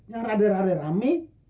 yang rada rame